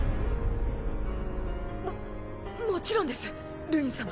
ももちろんですルイン様。